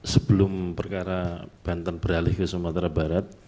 sebelum perkara banten beralih ke sumatera barat